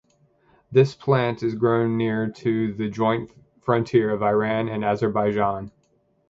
This plant is grown near to the joint frontier of Iran and Azerbaijan.